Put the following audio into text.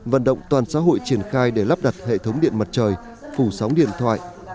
vận động toàn xã hội triển khai để lắp đặt hệ thống điện mặt trời phủ sóng điện thoại